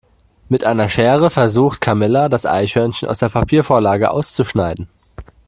Mit einer Schere versucht Camilla das Eichhörnchen aus der Papiervorlage auszuschneiden.